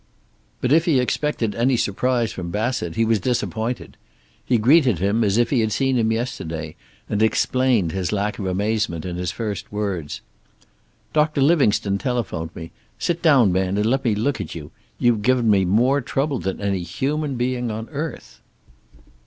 But if he expected any surprise from Bassett he was disappointed. He greeted him as if he had seen him yesterday, and explained his lack of amazement in his first words. "Doctor Livingstone telephoned me. Sit down, man, and let me look at you. You've given me more trouble than any human being on earth."